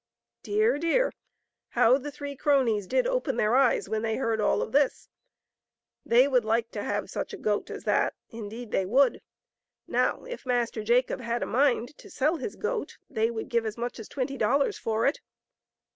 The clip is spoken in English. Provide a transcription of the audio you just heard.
Dear, dear ! how the three cronies did open their eyes when they heard all of this ! They would like to have such a goat as that, indeed they would. Now, if Master Jacob had a mind to sell his goat, they would give as much as twenty dollars for it.